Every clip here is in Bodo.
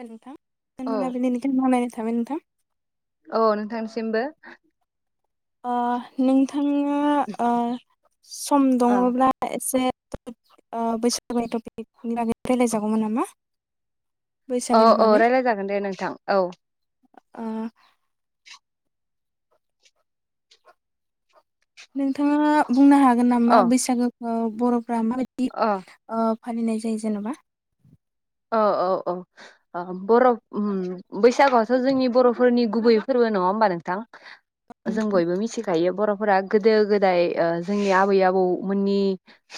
नोंथां औ गोजोन मोनाबिलिनि गोजोन हामलायनाय थाबाय नोंथां औ नोंथांसिमबो ओ नों थाङा ओ सम औ दङब्ला एसे [unintelligible] औ बैसागोनि औ बागै रायज्लाय जागोन दे नोंथां औ ओ नोंथाङा बुंनो हा गोन नामा औ बैसागो ओ बरफो रा माबिदि अ ओ फालिनाय जायो जेनबा औ औ औ ओ बर ओम बैसागुआथ जोंनि बरफोरनि गुबैयै फोरबो नङा होमबा नोंथां औ जों बयबो मिथिखायो बर फोरा गोदो गोदाय जोंनि आबै आबौ मोननि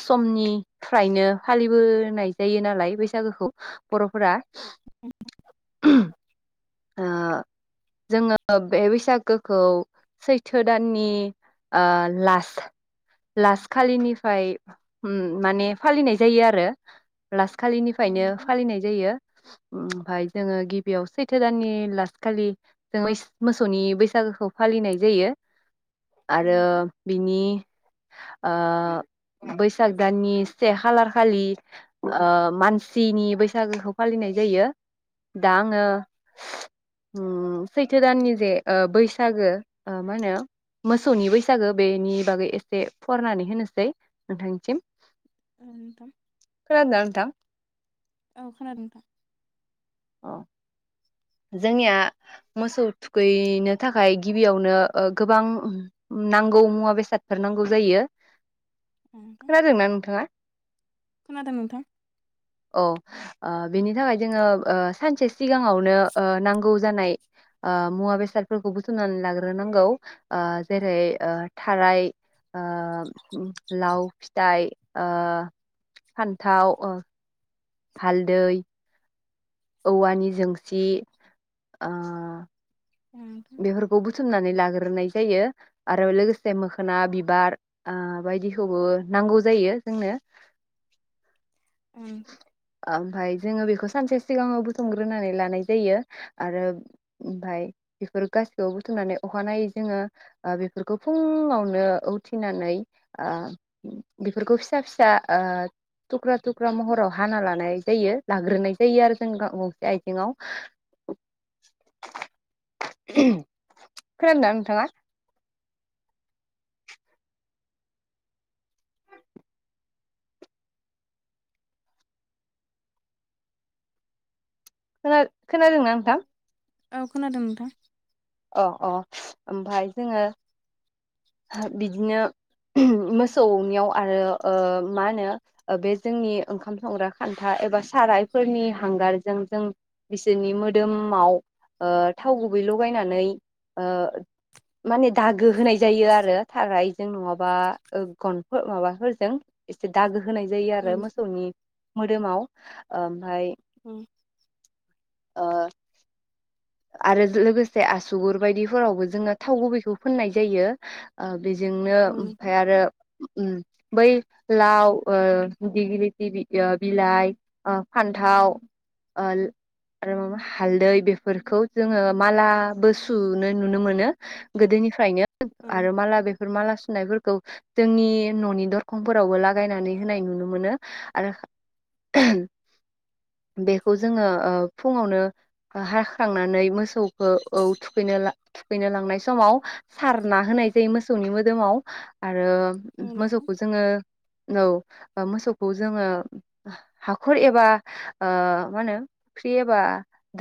समनिफ्रायनो फालिबोनाय जायो नालाय बैसागोखौ बरफोरा जोङो [inaudible] ओ बे बैसागोखौ सैथो दाननि ओ लास लास खालिनिफ्राय ओम माने फालिनाय जायो आरो लासखालिनिफ्रायनो नोंथां जायो ओमफ्राय जोङो गिबियाव सैथो दाननि लास खालि जों मोसौनि बैसागोखौ फालिनाय जायो औ आरो नोंथां बिनि ओ बैसाग दाननि से खालार खालि ओ मानसिनि बैसागोखौ फालिनाय जायो दा आङो ओम सैथो दाननि जे ओ बै बैसागो मा होनो मोसौनि बैसागो बेनि बागै एसे फरायनानै होनोसै नोंथांनिसिम औ नोंथां खोनादोना नोंथां। औ खोनादों नोंथां। औ। जोंनिया मोसौ थुखैनो थाखाय गिबियावनो ओ गोबां नांगौ मुवा बेसादफोर नांगौ जायो। औ नोंथां खोनोनादोंना नोंथाङा खोनादों नोंथां औ। ओ बेनि थाखाय जोङो ओ सानसे सिगाङावनो ओ नांगौ जानाय ओ मुवा बेसादफोरखौ बुथुमनानै लाग्रोनांगौ ओ जेरै ओ थाराइ ओ लाव फिथाइ ओ फान्थाव ओ हालदै औवानि जोंसि ओ औ नोंथां बेफोरखौ बुथुमनानै लागो ग्रोनाय जायो आरो लोगोसे मोखोना बिबार ओ बायदिखौबो नांगौ जायो जोंनो। औ नोंथां ओमफाय जोङो बेखौ सानसे सिगाङाव बुथुमग्रोनानै लानाय जायो आरो ओमफाय बेफोर गासिखौबो बुथुमनानै अखानायै जोङो बेफोरखौ फुङावनो उथिनानै बेफोरखौ ओ फिसा फिसा थुक्रा थुख्रा महराव हाना लानाय जायो लाग्रोनाय जायो आरो जों गंसे आइजेंआव खोनादोंदा नोंथाङा? खोना खोनादोंना नोंथां? औ खोनादों नोंथां। अ अ ओमफ्राय जोङो बिदिनो मोसौनियाव आरो ओ मा होनो बे जोंनि ओंखाम संग्रा खान्था एबा सारायफोरनि हांगारजों जों बिसोरनि मोदोमाव ओ थाव गुबै लगायनानै ओ माने दागो होनाय जायो आरो थारायजों नङाबा गन माबाफोरजों एसे दागो हो होनाय जायो औ आरो नोंथां मोसौनि मोदोमाव ओमफाय उम। ओ आरो लोगोसे आसुगुर बायदिफोरावबो जोङो थाव गुबैखौ फोननाय जायो ओ बेजोंनो औ नोंथां ओमफ्राय आरो उम। बै लाव ओ दिगलिथि ओ बिलाइ ओ फान्थाव ओ आरो माबा हालदै बेफोर फोरखौ जोङो मालाबो सु नो नुनो मोनो गोदोनिफ्रायनो औ आरो नोंथां माला बेफोर माला सुनायफोरखौ खौ जोंनि न'नि दरखंफोरावबो लागायनानै होनाय नुनो मोनो आरो बेखौ जोङो ओ फुङावनो हा खांनानै मोसौखौ औ थुखैनो ओ थुखैनो लांनाय समाव सारना होनाय जायो मोसौनि मोदोमाव आरो औ नोंथां आरो औ नोंथां मोसौखौ जोङो औ मोसौखौ जोङो हाखर एबा ओ मा होनो फुख्रि एबा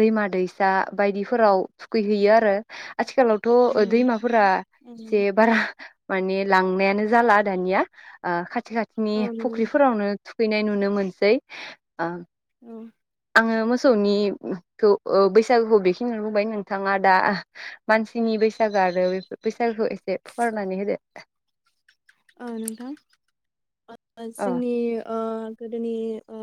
दैमा दैसा दैसा बायदिफोराव थुखैहैयो आरो आथिखालावथ' ओ दैमाफोरा एसे औ बारा माने लांनायानो जाला दानिया ओ खाथि खाथिनि नंगौ नोंथां फुख्रिफोरावनो थुखैनाय नुयो नुनो मोनसै ओ औ आङो मोसौनिखौ ओ बैसाग बैसागुखौ बेखिनि बुंबाय नोंथाङा दा मानसिनि बैसागो आरो बे बैसागोखौ एसे फोरमायनानै होदो। ओ नोंथां अ जोंनि ओ गोदोनि ओ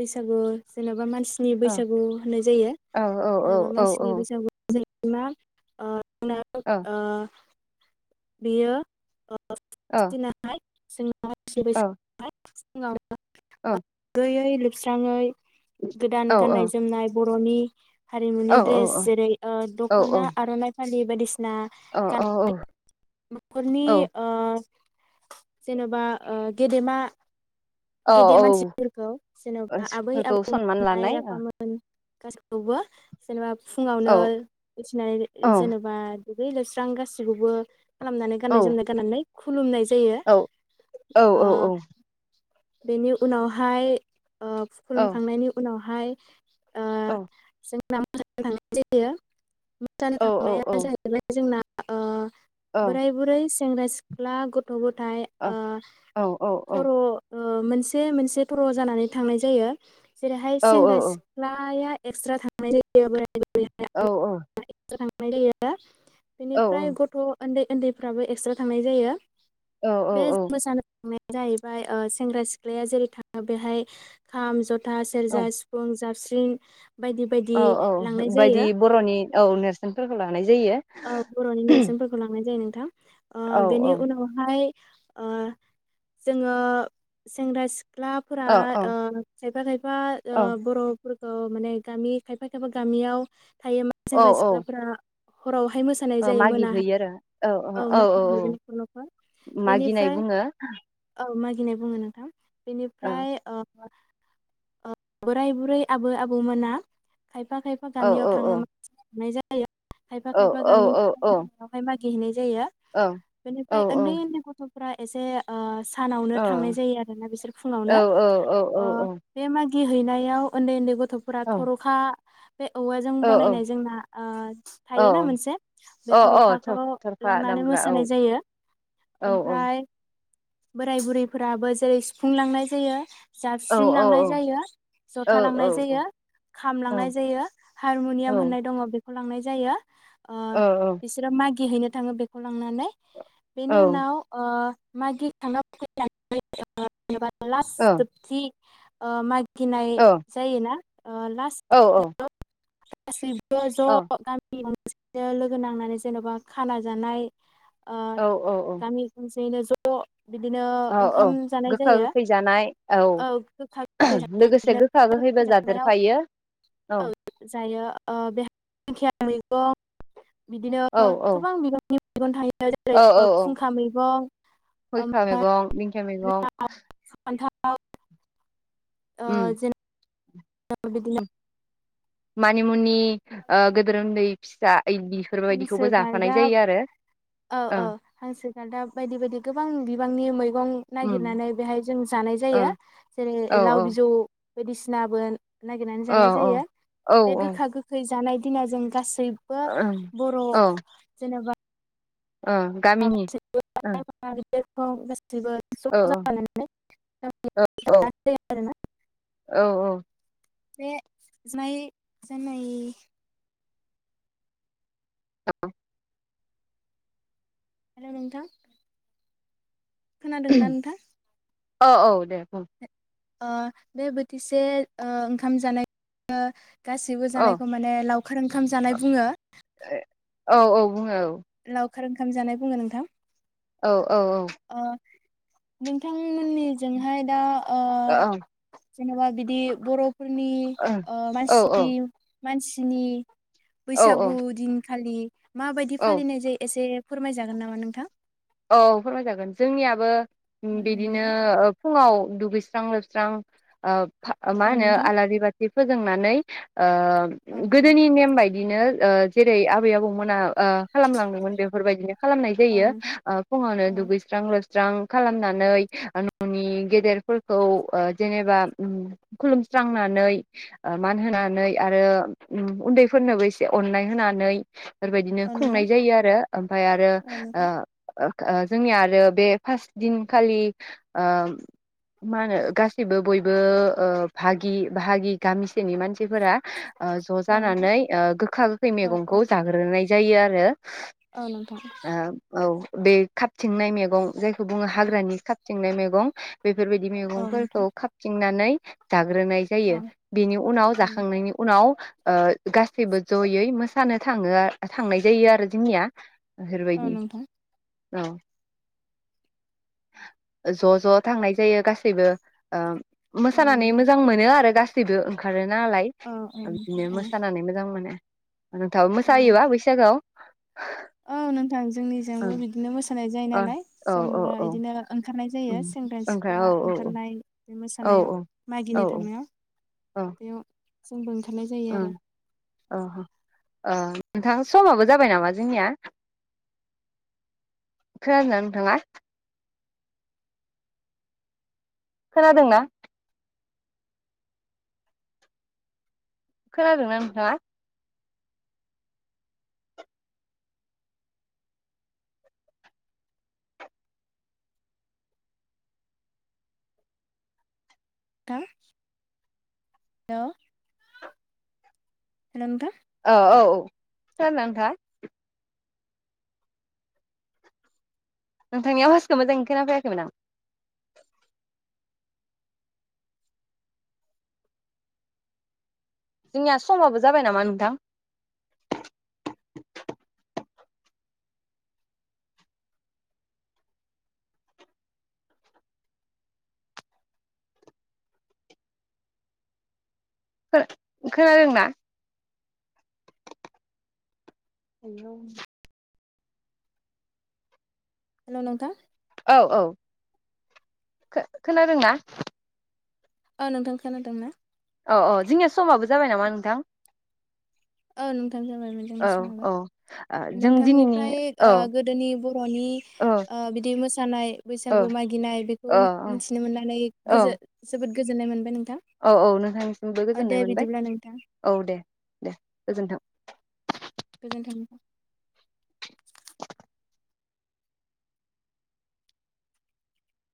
बैसागु जेनेबा मानसि मानसिनि अ बैसागु होननाय जायो औ औ जेनबा औ मानसिनि बैसागु जा इमान ओ [unintelligible] औ ओ बियो ओ औ फास दिनाहाय जोंना [unintelligible] फास फुंआवनो ओं दुगैयै लोबस्राङै गोदान औ गाननाय जोमनाय बर'नि हारिमुनि औ ड्रेस जेरै ओ दख'ना आर'नाइ फालि बायदिसिना ना औ गानना नख'रनि ओ जेनबा ओ गेदेमा औ औ गेदेर मानसिफोरखौ औ जेन'बा आबै फोरखौ सनमान आबौमोन आइ लानाय औ आफामोन गासैखौबो जेनेबा फुङावनो औ उथिनानै जेनेबा दुगै लोबस्रां गासिखौबो खालामनानै औ गोननाय जोमनाय गाननानै खुलुमनाय जायो औ औ ओ औ औ बेनि उनावहाय ओ खलुमखांनायनि उनाव हाय औ [unintelligible] जानो औ थांनाया जाहैबाय जोंना ओ बोराइ बुरै स सेंग्रा सिख्ला गथ गथ' गथाय ओ औ सर' ओ मोनसे मोनसे थर' जानानै थांनाय जायो। जेरैहाय सेंग्रा सिख्लाया एकस्रा थांनाय जायो बोराइ औ औ। नाय जायो। बेनिफ्राय गथ' ओन्दै ओन्दैफ्राबो एकस्रा थांनाय जायो। बे औ [unintelligible] [unintelligible] जाहैबाय ओ स सेंग्रा सिख्लाया जेरै थाङो बेहाय खाम जथा था औ सेरजा सिफुं जाबस्रिं [unintelligible] औ औ लांनाय बायदि जायो बर'नि औ नेरस फोरखौ ला औ बर'नि नेरसोनफोरखौ लांनाय जायो नो ओ औ औ बेनि उनावहाय ओ जोङो सेंग्रा सि ख्लाफोरा औ औ ओ खायफा खायफा ओ औ बर फोरखौ माने गामि खायफा खायफा गामियाव थायो मा औ सेंग्रा औ सिख्लाफोरा हराव औ मागिहैयो आरो औ औ औ औ औ मोसाहैयो न'खर न'खर मागिनाय बुङो। हैनाय बुङो नोंथां। औ बेनिफ्राय ओ ओ बोराइ बुरै आबै आबौ मोना खायफा खायफा औ गामियाव औ थाङो [unintelligible] [unintelligible] खायफा औ खायफा औ गामि औ औ [unintelligible] [unintelligible] जायो औ औ बेनिफ्राय औ ओन्दै ओन्दै गथ' फ्रा एसे ओ सानावनो औ थांनाय जायो आरो ना बिसोर औ फुङावनो ओ बे मान हैनायाव ओन्दै ओन्दै गथ' गथ'फ्रा थर'खा बे औवाजों बनायनाय जोंना ओ औ थायोना मोनसे बे अ थर'खाखौ थरखा लांनानै दामग्रा औ मोसानाय जायो। औ ओमफ्राय बोराय बुरैफोराबो जेरै सिफुं लांनाय जायो। औ जाबस्रिं लांनाय औ जायो औ जथा औ लांनाय औ जायो खाम लांनाय जायो हारमुनियाम होननाय दङ' बे खौ लांनाय जायो। [inaudible] ओ औ बिसोर मागि गिहैनो थाङो बेखौनो लांनानै बेनि उनाव ओ मागिखांना फैनानै ओ एबा लास जोबथि ओ मा गिनाय जायोना औ औ। गासै बो ज' गामि मि गंसेनो लोगो नांनानै जेनबा खाना जानाय औ औ औ। हैनो ज' बिदिनो औ औ ओंखाम जानाय गोखा जायो गोखै जानाय औ गोखा गोखै लोगोसे [unintelligible] गोखा गोखैबो गोखै जानायाव जादेरफायो औ जायो ओ बे दिंखिया मैगं बिदिनो औ औ गोबां बिबां नि मैगं थायो। औ जेरै औ औ फुंखा मैगं खयखा ओमफ्राय मैगं, दिंखिया मैगं लाव फान्थाव। ओ उम जे [unintelligible] बिदिनो। मानिमुनि। ओ गोदोर उन्दै फिसा बेफोरबायदिखौबो हांसो जाफानाय गाल्दाब जायो आरो औ ओ औ हांसो गाल्दाब बायदि बायदि गोबां बिबांनि मैगं उम नागिरनानै बेहाय जों जानाय ओ जायो जेरै औ लाव बिजौ बायदिसिनाबो नागिरनानै औ जानाय जायो औ बे औ गोखा गोख जानाय दिना जों गास बेबो ओं बर' औ जेनेबा [unintelligible] ओ गामिनि ओ औ औ [unintelligible] [unintelligible] बे औ औ बिमाय जानाय औ। हेल' नोंथां। खोनादोंना नोंथां? औ औ दे बुं ओ बे बोथिसे ओंखाम जानाय। गासिबो औ जानायखौ माने लाव खार ओंखाम जानाय बुङो। औ औ बुङो औ। लावखार ओंखाम जानाय बुङो नोंथां। औ औ औ। ओ नोंथांमोननिजोंहाय दा ओ अ ओं। जेनेबा बिदि बर' खुरमि औ मासि औ मानसिनि औ फैसागु औ दिन खालि मा बायदि औ फालिनाय जायो एसे फोरमायजागोन नामा नोंथां? औ फोरमायजागोन जोंनियाबो दे बिदिनो नोंथां फुङाव - दुगैस्रां लोबस्रां अ। मा औ होनो नोंथां आलारि बा फोजोंनानै ओ औ औ गोदोनि नेम बाय दिनो ओ जेरै आबै आबौमोना ओ खालामलांदोंमोन बेफोरबायदिनो खालामनाय औ जायो। नोंथां फुङावनो औ दुगैस्रां लोब सुस्रां खालामनानै ननि गेदेरफोरखौ अ जेनेबा खुलुमस्रांनानै मान होनानै आरो उन्दैफोरनोबो एसे अननाय होनानै बेबायदिनो औ नोंथां खुंनाय जायो आरो ओमफाय आरो औ नोंथां ओ जोंनिया आरो बे फार्स्ट दिनखालि ओ मा होनो गासैबो बयबो ओ बागि बाहागि गामि नि मानसिफोरा ओ ज औ नोंथां जानानै ओ गोखा गोखै औ औ मैगंखौ जाग्रोनाय जायो आरो औ नोंथां आ औ बे खाबथिंनाय मैगं जायखौ बुङो हाग्रानि खाबथिंनाय मैगं बेफोरबायदि औ मैगंफोरखौ नोंथां खाबथिंनानै जागो जाग्रोनाय जायो औ बेनि उनाव औ नोंथां जाखांनायनि उनाव ओ गासैबो जयै मोसानो थाङो आर थांनाय जायो आरो जोंनिया बेफोर औ बायदि नोंथां औ ज ज थांनाय जायो गासैबो उम औ मोसानानै नोंथां मोजां मोनो आरो गासिब गासैबो ओंखार नालाय औ बिदिनो मोसानानै मोजां मोनो। नोंथाबो औ मोसायोबा बैसागोआव [inaudible] औ नोंथां जोंनिजोंबो ओं बिदिनो मोसानाय जायो औ नालाय औ औ जोंबो औ बिदिनो ओं ओंखारनाय जायो सेंग्रा ओमफ्राय सिख्ला औ औ औ ओंखारनाय बे औ मोसानायाव औ औ औ मागिनो थांनायाव औ बेयाव जोंबो ओं ओंखारनाय जायो आरो ओं औ अ नोंथां समाबो जाबाय नामा जोंनिया खोनादोंना नोंथाङा? खोनादोंना? खोनादोंना नोंथाङा थां हेलौ। हेलौ नोंथां। औ औ औ सोर नोंथाङा नोंथांनि आवासखौ मोजाङै खोना फैयाखैमोन आं जोंनिया समाबो जाबाय नामा नोंथां? खो खोनादोंना [inaudible] हेलौ नोंथां औ औ खो खोनादोंना? ओ नोंथां खोनादों ना? औ औ जोंनिया समाबो जाबाय नामा नोंथां? ओ नोंथां औ औ जों दिनैनि नोंथांनिफ्राय ओ औ गोदोनि बरनि औ ओ बिदि मोसानाय औ बैसागु मागिनाय बेखौ औ मिथिनो मोननानै औ गोजो जोबोद गोजोननाय मोनबाय नों औ औ नोंथांनिसिमबो गोजोननाय मोनबाय नोंथां औ दे दे गोजोनथों। गोजोन्थों।